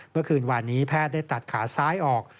เมื่อคืนวานนี้แพทย์ได้ตัดขาซ้ายออก